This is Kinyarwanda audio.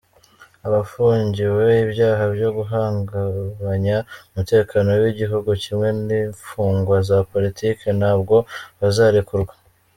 Abafungiwe ibyaha byo guhungabanya umutekano w’igihugu, kimwe n’imfungwa za politiki ntabwo bazarekurwa.